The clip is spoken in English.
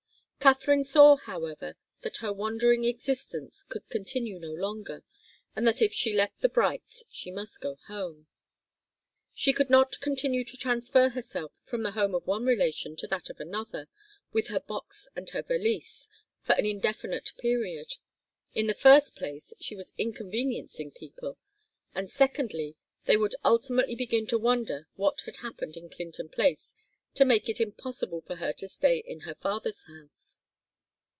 Katharine saw, however, that her wandering existence could continue no longer, and that if she left the Brights' she must go home. She could not continue to transfer herself from the home of one relation to that of another, with her box and her valise, for an indefinite period. In the first place, she was inconveniencing people, and secondly, they would ultimately begin to wonder what had happened in Clinton Place to make it impossible for her to stay in her father's house.